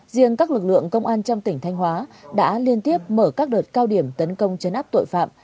riêng các lực lượng công an trong tỉnh thanh hóa đã liên tiếp mở các đợt cao điểm tấn công chấn áp tội phạm